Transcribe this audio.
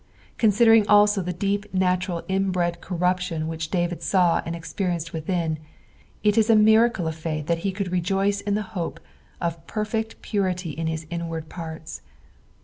Considering also the dcfp natural inbred corruption which David saw and experienced within, it is a miracle of faith that he could lejnioe in the hope of perfect purity in his inward ports.